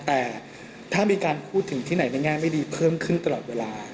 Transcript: แต่ถ้ามีการพูดถึงที่ไหนในแง่ไม่ดีเพิ่มขึ้นตลอดเวลา